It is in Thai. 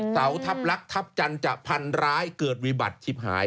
เสาทับรักทับจะพันกไวบัตฐิบหาย